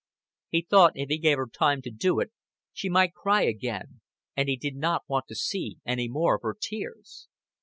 He thought if he gave her time to do it, she might cry again; and he did not want to see any more of her tears.